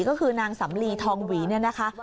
ก็คือนางสำลีทองหวีเนี่ยนะคะ